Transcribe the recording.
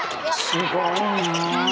すごいな。